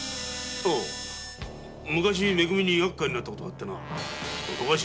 昔め組にやっかいになった事があってな。